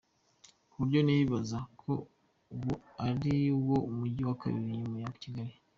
Ku buryo nibaza ko ubu ariwo mugi wa kabiri nyuma ya Kigali.